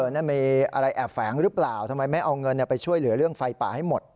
นั่นมีอะไรแอบแฝงหรือเปล่าทำไมไม่เอาเงินไปช่วยเหลือเรื่องไฟป่าให้หมด